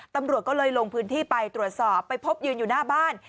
ตำรวจก็เลยลงพื้นที่ไปตรวจสอบไปพบยืนอยู่หน้าบ้าน